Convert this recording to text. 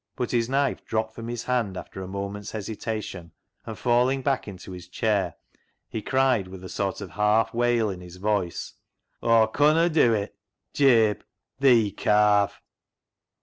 But his knife dropped from his hand after a moment's hesitation, and falling back into his chair, he cried, with a sort of half wail in his voice —*' Aw conna dew it ; Jabe, thee carve."